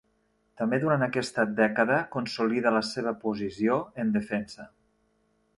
També durant aquesta dècada consolida la seva posició en Defensa.